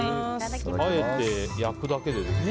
あえて焼くだけでできる。